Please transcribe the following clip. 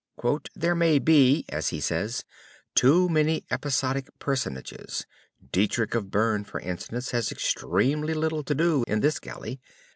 "There may be," as he says, "too many episodic personages Deitrich of Bern, for instance, has extremely little to do in this galley.